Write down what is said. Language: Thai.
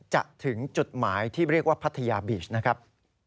จะถึงจุดหมายที่เรียกว่าพัทยาบีชนะครับ